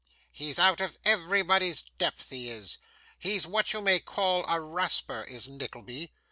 He's out of everybody's depth, he is. He's what you may call a rasper, is Nickleby.